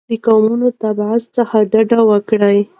د قومي تبعیض څخه ډډه وکړئ.